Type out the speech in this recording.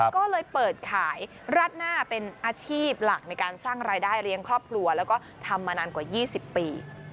ก็เลยเปิดขายราดหน้าเป็นอาชีพหลักในการสร้างรายได้เลี้ยงครอบครัวแล้วก็ทำมานานกว่า๒๐ปี